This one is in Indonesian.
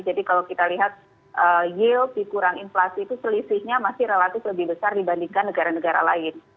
jadi kalau kita lihat yield dikurang inflasi itu selisihnya masih relatif lebih besar dibandingkan negara negara lain